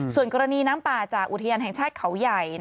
ส่วนกรณีน้ำป่าจากอุทยานแห่งชาติเขาใหญ่